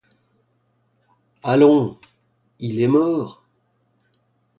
Allons, il est mort.